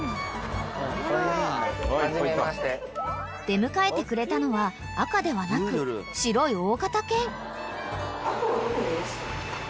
［出迎えてくれたのは赤ではなく白い大型犬］